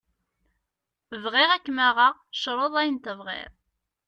Bɣiɣ ad k-maɣeɣ, creḍ ayen tebɣiḍ.